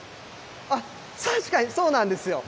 確かにそうなんですよ。